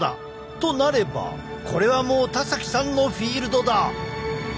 となればこれはもう田崎さんのフィールドだ！